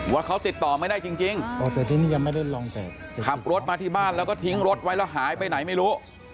ว่าเขาติดต่อไม่ได้จริงขับรถมาที่บ้านแล้วก็ทิ้งรถไว้แล้วหายไปไหนไม่รู้